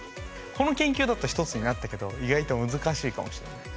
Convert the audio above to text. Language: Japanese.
この研究だと１つになったけど意外と難しいかもしれない。